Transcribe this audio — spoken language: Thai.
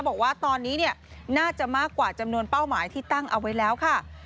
บอกว่าตอนนี้น่าจะมากกว่าจำนวนเป้าหมายที่ตั้งเอาไว้แล้วค่ะ